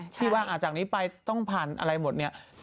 คิดว่าอาจจะไปต้องผ่านอะไรหมดเนี่ย